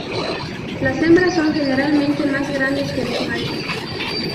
Las hembras son generalmente más grandes que los machos.